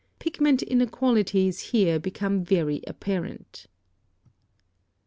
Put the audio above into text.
Pigment inequalities here become very apparent.